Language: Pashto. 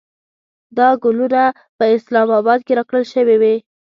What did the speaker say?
دا ګلونه په اسلام اباد کې راکړل شوې وې.